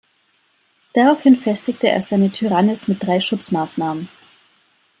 Daraufhin festigte er seine Tyrannis mit drei Schutzmaßnahmen.